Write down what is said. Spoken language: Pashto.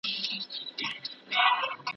روماني اسلوب په خپلو څېړنو کي مه کاروئ.